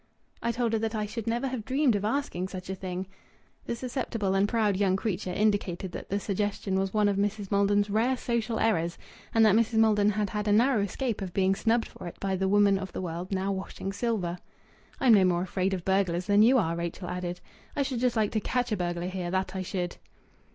"I told her that I should never have dreamed of asking such a thing!" The susceptible and proud young creature indicated that the suggestion was one of Mrs. Maldon's rare social errors, and that Mrs. Maldon had had a narrow escape of being snubbed for it by the woman of the world now washing silver. "I'm no more afraid of burglars than you are," Rachel added. "I should just like to catch a burglar here that I should!"